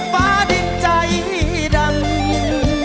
ปะดินใจดำ